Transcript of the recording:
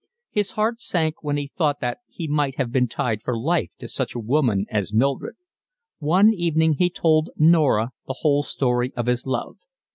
His heart sank when he thought that he might have been tied for life to such a woman as Mildred. One evening he told Norah the whole story of his love.